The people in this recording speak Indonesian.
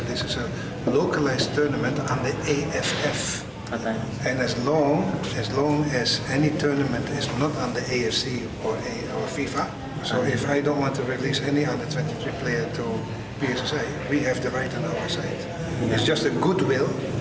ini hanya kebenaran untuk berkooperasi dengan pssi tidak ada apa apa lagi